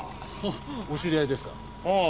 お知り合いですか？